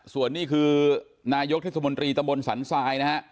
ส่วนนี้คือนายกเทศมนตรีตะบนสันทรายนะฮะ